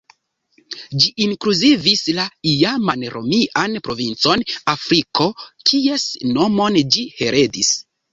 Ĝi inkluzivis la iaman romian provincon Afriko, kies nomon ĝi heredis.